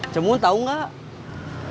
cemun tahu nggak